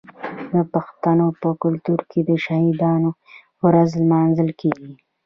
د پښتنو په کلتور کې د شهیدانو ورځ لمانځل کیږي.